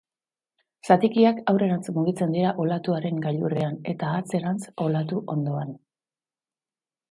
Zatikiak aurrerantz mugitzen dira olatuaren gailurrean, eta atzerantz olatu hondoan.